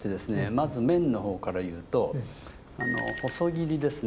まず麺の方からいうと細切りですね。